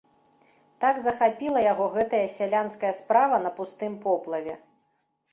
Так захапіла яго гэтая сялянская справа на пустым поплаве.